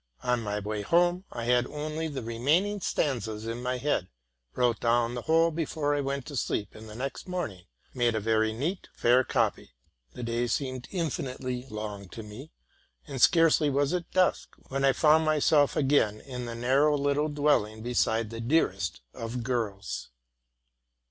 On my way home I had only the remaining stanzas in my head, wrote down the whole before I went to sleep, and the next morning made a very neat, fair copy. The day seemed infinitely long to me; and scarcely was it dusk, than I found myself again in the narrow little dwelling beside the dearest of girls.